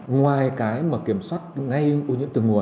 ngoài cái mà kiểm soát ngay ưu nhẫn từ nguồn dọc theo suối